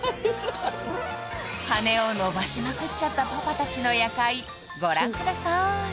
羽を伸ばしまくっちゃったパパ達の夜会ご覧ください